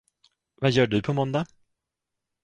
Vad gör du på måndag?